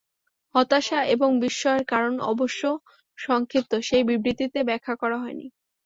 হতাশা এবং বিস্ময়ের কারণ অবশ্য সংক্ষিপ্ত সেই বিবৃতিতে ব্যাখ্যা করা হয়নি।